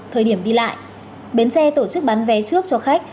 thời điểm đi lại bến xe tổ chức bán vé trước cho khách